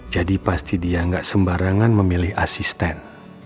jadi pasti dia gak sembarangan memilih asisten